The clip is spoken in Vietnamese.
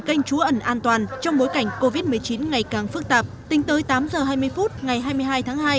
canh trú ẩn an toàn trong bối cảnh covid một mươi chín ngày càng phức tạp tính tới tám h hai mươi phút ngày hai mươi hai tháng hai